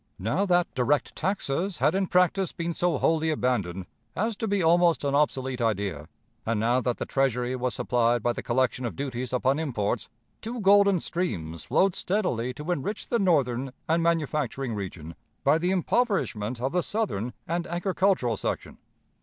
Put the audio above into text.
Now that direct taxes had in practice been so wholly abandoned as to be almost an obsolete idea, and now that the Treasury was supplied by the collection of duties upon imports, two golden streams flowed steadily to enrich the Northern and manufacturing region by the impoverishment of the Southern and agricultural section.